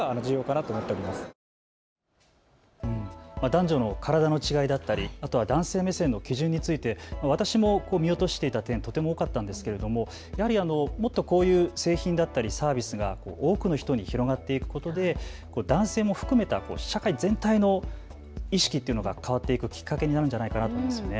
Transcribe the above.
男女の体の違いだったりあとは男性目線の基準について私も見落としていた点、とても多かったんですけれどもやはりもっとこういう製品だったりサービスが多くの人に広がっていくことで男性も含めた社会全体の意識というのが変わっていくきっかけになるんじゃないかなと思いますよね。